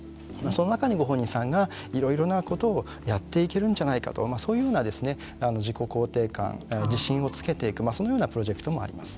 その中にご本人さんがいろいろなことをやっていけるんじゃないかとそういうような自己肯定感自信をつけていくそのようなプロジェクトもあります。